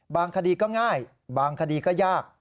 คดีก็ง่ายบางคดีก็ยาก